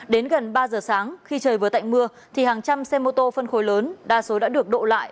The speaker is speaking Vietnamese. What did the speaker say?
đến gần ba giờ sáng khi trời vừa tạnh mưa thì hàng trăm xe mô tô phân khối lớn đa số đã được đổ lại